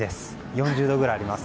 ４０度くらいあります。